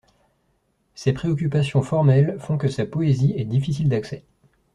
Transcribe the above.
Ses préoccupations formelles font que sa poésie est difficile d'accès.